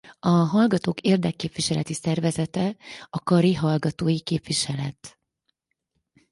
A hallgatók érdekképviseleti szervezete a Kari Hallgatói Képviselet.